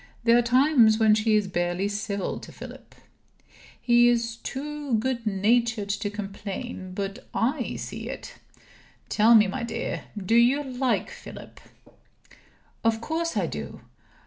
There are times when she is barely civil to Philip. He is too good natured to complain, but I see it. Tell me, my dear, do you like Philip?" "Of course I do!"